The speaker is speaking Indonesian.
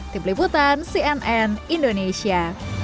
di peliputan cnn indonesia